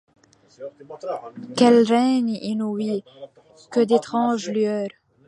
Quels règnes inouïs ! que d'étranges lueurs !